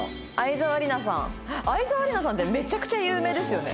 沢りなさんってめちゃくちゃ有名ですよね。